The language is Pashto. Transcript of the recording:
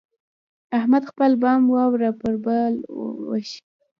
احمد خپل بام واوره پر بل وشي.